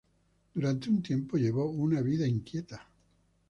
Durante un tiempo llevó una vida inquieta.